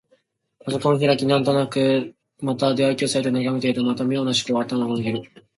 パソコンを開き、なんとなくまた出会い系サイトを眺めているとまた、妙な思考が頭をめぐる。